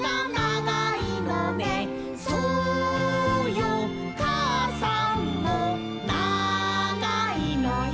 「そうよかあさんもながいのよ」